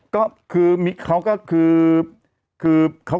ก็คือเขาก็คือ